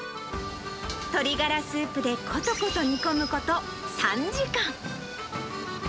鶏ガラスープでことこと煮込むこと３時間。